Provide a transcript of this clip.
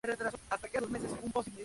El sencillo ocupó la posición No.